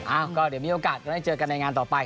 อ้าวก็เดี๋ยวมีโอกาสจะได้เจอกันในงานต่อไป